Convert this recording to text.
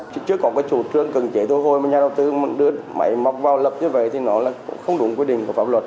chứ chưa có cái chủ trương cần chế thôi thôi mà nhà đầu tư mặc vào lập như vậy thì nó là không đúng quyết định của pháp luật